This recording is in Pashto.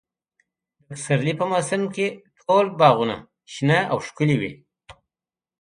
د پسرلي په موسم کې ټول باغونه شنه او ښکلي وي.